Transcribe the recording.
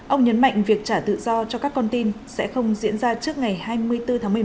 ông nhấn mạnh việc trả tự do cho các con tin sẽ không diễn ra trước ngày hai mươi bốn tháng một mươi một